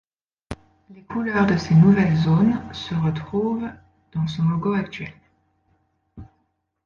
Les couleurs de ces nouvelles zones se retrouvent dans son logo actuel.